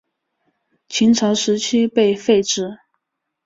秦朝时期被废止。